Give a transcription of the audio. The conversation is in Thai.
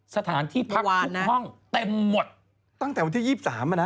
สถานที่พักทุกห้องเต็มหมดเมื่อวานนะ